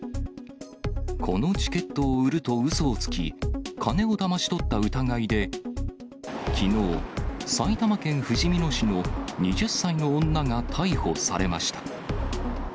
このチケットを売ると、うそをつき、金をだまし取った疑いで、きのう、埼玉県ふじみ野市の２０歳の女が逮捕されました。